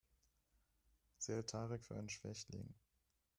Sie hält Tarek für einen Schwächling.